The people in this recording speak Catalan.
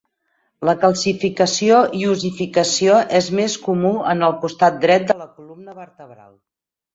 La calcificació i ossificació és més comú en el costat dret de la columna vertebral.